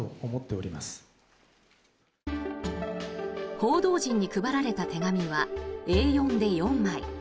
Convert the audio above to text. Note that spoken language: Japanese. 報道陣に配られた手紙はＡ４で４枚。